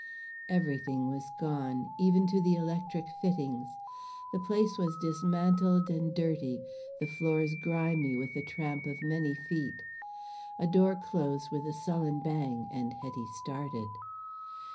Everything was gone, even to the electric fittings. The place was dismantled and dirty, the floors grimy with the tramp of many feet. A door closed with a sullen bang, and Hetty started.